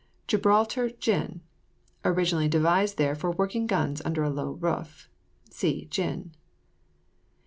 GIBRALTAR GYN. Originally devised there for working guns under a low roof. (See GYN.)